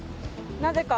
なぜか？